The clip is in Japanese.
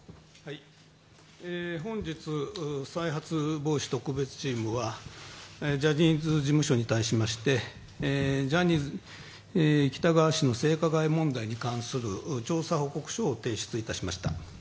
本日、再発防止特別チームはジャニーズ事務所に対しましてジャニー喜多川氏の性加害問題に対する調査報告書を提出いたしました。